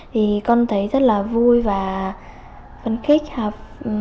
thì con thấy rất là vui và phấn khích học